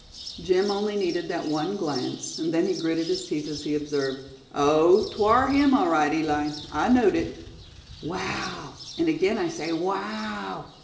Jim only needed that one glance, and then he gritted his teeth as he observed: "Oh! twar him, all right, Eli; I knowed it." "Wow! and again I say, wow!